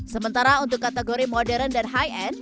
sementara untuk kategori modern dan high end